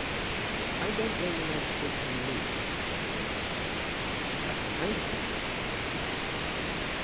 "I don't blame the magistrates in the least," said Johnny. "That's kind of you," said the squire.